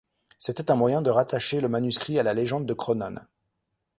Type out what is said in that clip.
C'était un moyen de rattacher le manuscrit à la légende de Cronan.